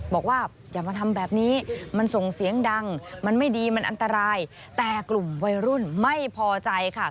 บอกว่าอย่ามาทำแบบนี้มันส่งเสียงดังมันไม่ดีมันอันตรายแต่กลุ่มวัยรุ่นไม่พอใจค่ะ